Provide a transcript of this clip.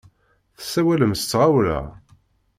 Tessawalem s tɣawla.